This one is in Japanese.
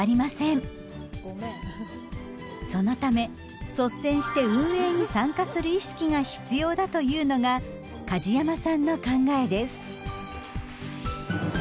そのため率先して運営に参加する意識が必要だというのが梶山さんの考えです。